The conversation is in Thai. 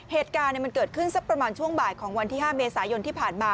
เหตุการณ์มันเกิดขึ้นสักประมาณช่วงบ่ายของวันที่๕เมษายนที่ผ่านมา